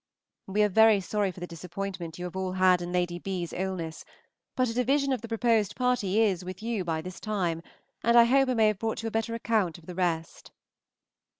We are very sorry for the disappointment you have all had in Lady B.'s illness; but a division of the proposed party is with you by this time, and I hope may have brought you a better account of the rest.